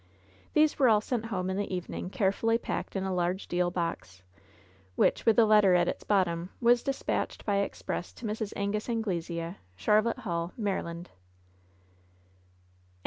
These were all sent home in the evening, carefully packed in a large deal box, which, with a letter at its bottom, was dispatched by express to Mrs. Angus Angle sea, Charlotte Hall, Maryland.